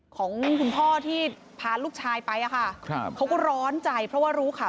ของคุณพ่อที่พาลูกชายไปอะค่ะครับเขาก็ร้อนใจเพราะว่ารู้ข่าว